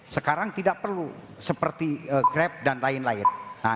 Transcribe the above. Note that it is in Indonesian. sekarang tidak perlu seperti grab dan lain lain